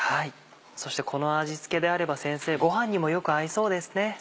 そしてこの味付けであれば先生ごはんにもよく合いそうですね。